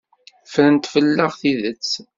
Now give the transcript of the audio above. Ffrent fell-aɣ tidet.